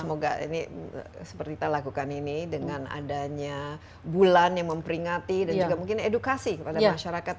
semoga ini seperti kita lakukan ini dengan adanya bulan yang memperingati dan juga mungkin edukasi kepada masyarakat